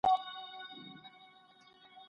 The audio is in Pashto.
هیڅ هیواد ته د لاسوهني اجازه نه وه.